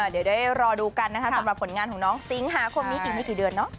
เดี๋ยวได้รอดูกันนะคะสำหรับผลงานของน้องสิงหาคมนี้อีกไม่กี่เดือนเนาะ